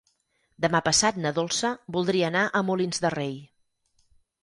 Demà passat na Dolça voldria anar a Molins de Rei.